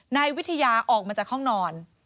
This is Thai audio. นายวิทยาออกมาจากห้องนอน